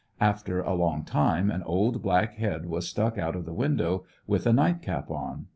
After a long time an old black head was stuck out of the window with a nightcap on.